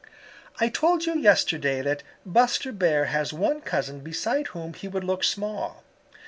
"I told you yesterday that Buster Bear has one cousin beside whom he would look small.